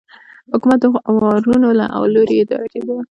حکومت د هغو داورانو له لوري اداره کېده